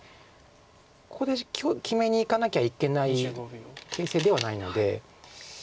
ここで決めにいかなきゃいけない形勢ではないので。